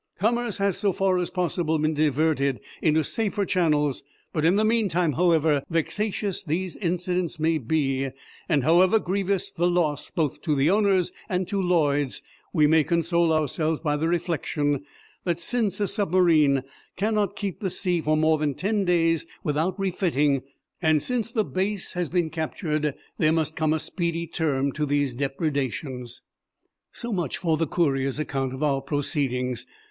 Commerce has, so far as possible, been diverted into safer channels, but in the meantime, however vexatious these incidents may be, and however grievous the loss both to the owners and to Lloyd's, we may console ourselves by the reflection that since a submarine cannot keep the sea for more than ten days without refitting, and since the base has been captured, there must come a speedy term to these depredations." So much for the Courier's account of our proceedings.